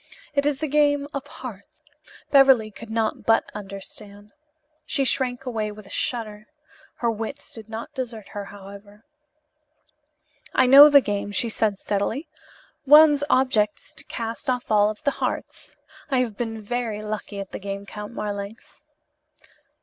It is the game of hearts." Beverly could not but understand. She shrank away with a shudder. Her wits did not desert her, however. "I know the game," she said steadily. "One's object is to cast off all the hearts. I have been very lucky at the game, Count Marlanx."